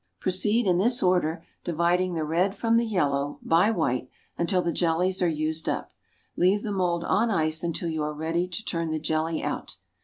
Proceed in this order, dividing the red from the yellow by white, until the jellies are used up. Leave the mould on ice until you are ready to turn the jelly out.